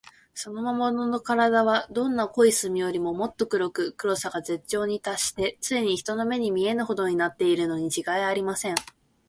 その魔物のからだは、どんな濃い墨よりも、もっと黒く、黒さが絶頂にたっして、ついに人の目にも見えぬほどになっているのにちがいありません。